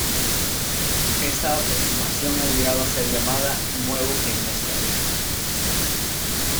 Esta aproximación ha llegado a ser llamada "Nuevo keynesianismo".